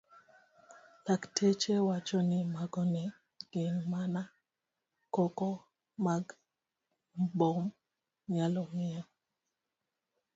Lakteche wacho ni mago ne gin mana koko mag mbom nyalo miyo